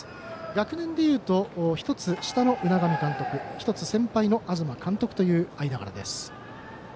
学年でいうと１つ下の海上監督と１つ先輩の東監督という間柄です。